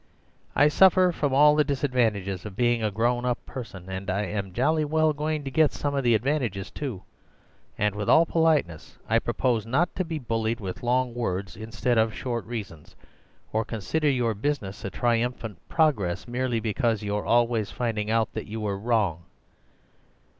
I suffer from all the disadvantages of being a grown up person, and I'm jolly well going to get some of the advantages too; and with all politeness I propose not to be bullied with long words instead of short reasons, or consider your business a triumphant progress merely because you're always finding out that you were wrong.